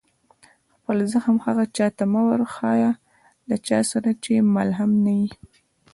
خپل زخم هغه چا ته مه ورښيه، له چا سره چي ملهم نه يي.